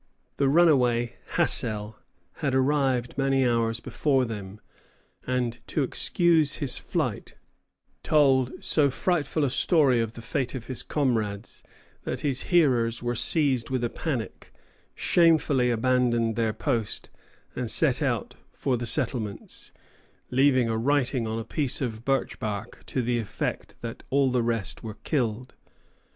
The runaway, Hassell, had arrived many hours before them, and to excuse his flight told so frightful a story of the fate of his comrades that his hearers were seized with a panic, shamefully abandoned their post, and set out for the settlements, leaving a writing on a piece of birch bark to the effect that all the rest were killed.